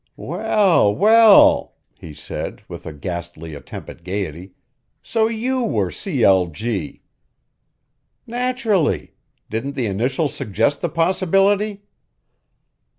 "Well, well!" he said, with a ghastly attempt at gaiety, "So you were C. L. G." "Naturally. Didn't the initials suggest the possibility?"